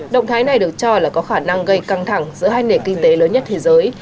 động thái này được cho là có khả năng gây căng thẳng giữa hai nền kinh tế lớn nhất thế giới